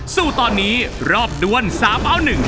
สู้ตอนนี้รอบด้วน๓เอา๑